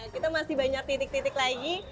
kita masih banyak titik titik lagi